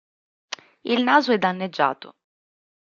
Il naso è danneggiato.